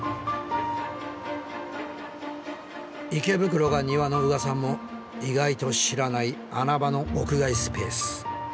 池袋が庭の宇賀さんも意外と知らない穴場の屋外スペース。